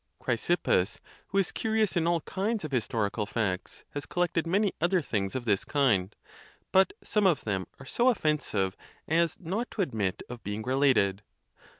Chry sippus, who is curious in all kinds of historical facts, has collected many other things of this kind; but some of them are so offensive as not to admit of being related.